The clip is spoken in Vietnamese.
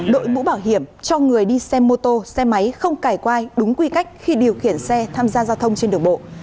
đội mũ bảo hiểm cho người đi xe mô tô xe máy không cải quai đúng quy cách khi điều khiển xe tham gia giao thông trên đường bộ